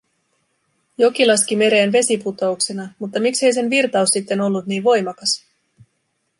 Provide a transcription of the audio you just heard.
Joki laski mereen vesiputouksena… Mutta miksei sen virtaus sitten ollut niin voimakas?